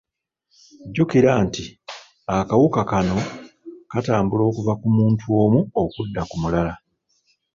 Jjukira nti akawuka kano katambula okuva ku muntu omu okudda ku mulala.